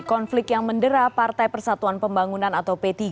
konflik yang mendera partai persatuan pembangunan atau p tiga